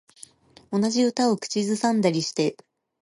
同じ歌を口ずさんでたりして